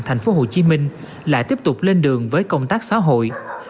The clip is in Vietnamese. tp hcm lại tiếp tục lên đường với công tác xã hội